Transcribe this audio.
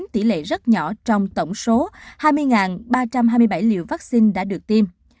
tỷ lệ rất nhỏ trong tổng số hai mươi ba trăm hai mươi bảy liều vaccine đã được tiêm